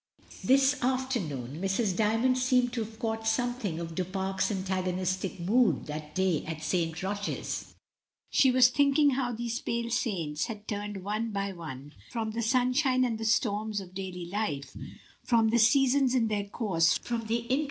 This afternoon Mrs. D)rmond seemed to have caught something of Du Fare's antagonistic mood that day at St Roch's; she was thinking how these pale saints had turned one by one from the sunshine and the storms of daily life, from the seasons in their course, from the interests ST.